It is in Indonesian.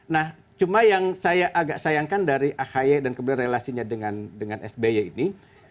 nah cuma yang saya agak sayangkan dari ahy dan kemudian relasinya dengan sby ini